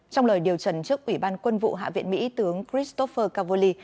trong lời điều trần trước ủy ban quân vụ hạ viện mỹ tướng christopher cavoli